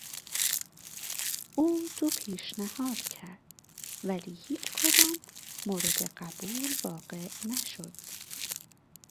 او دو پیشنهاد کرد ولی هیچکدام مورد قبول واقع نشد.